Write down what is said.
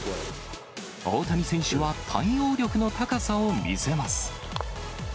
大谷選手は対応力の高さを見せます。